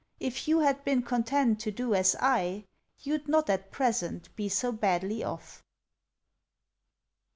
If you had been content to do as I, You'd not at present be so badly off."